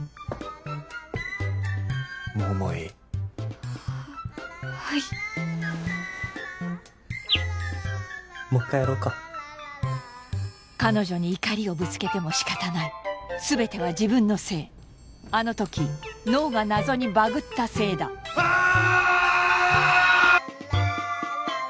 桃井ははいもう一回やろうか彼女に怒りをぶつけても仕方ない全ては自分のせいあのとき脳が謎にバグったせいだああ！